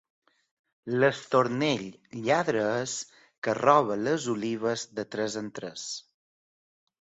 L'estornell lladre és, que roba les olives de tres en tres.